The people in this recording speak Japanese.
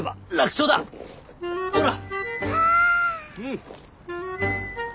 ほら！